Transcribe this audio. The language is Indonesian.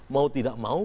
mau tidak mau